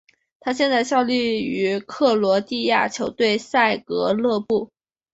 他现在效力于克罗地亚球队萨格勒布。